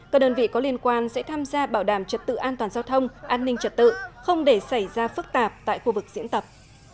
các đơn vị có liên quan sẽ tham gia bảo đảm trật tự an toàn giao thông an ninh trật tự không để xảy ra phức tạp tại khu vực diễn tập